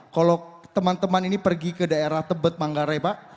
kalau teman teman ini pergi ke daerah tebet manggarai pak